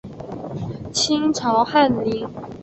清朝翰林。